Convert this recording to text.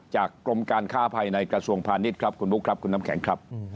กรมการค้าภายในกระทรวงพาณิชย์ครับคุณบุ๊คครับคุณน้ำแข็งครับ